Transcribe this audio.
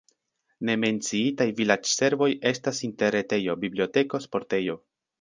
Ne menciitaj vilaĝservoj estas interretejo, biblioteko, sportejo.